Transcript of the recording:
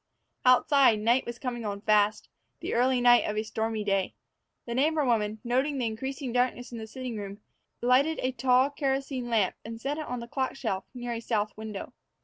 Outside, night was coming on fast the early night of a stormy day. The neighbor woman, noting the increasing darkness in the sitting room, lighted a tall kerosene lamp and set it on the clock shelf near a south window.